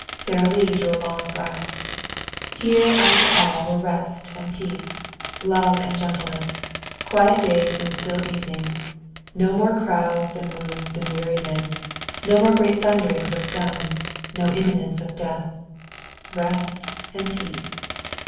Sara Lee drew a long breath. Here after all were rest and peace; love and gentleness; quiet days and still evenings. No more crowds and wounds and weary men, no more great thunderings of guns, no imminence of death. Rest and peace.